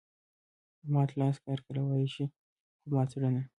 مات لاس کار کولای شي خو مات زړه نه.